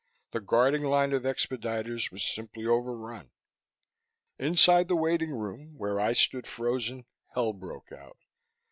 The guarding line of expediters was simply overrun. Inside the waiting room, where I stood frozen, hell broke out.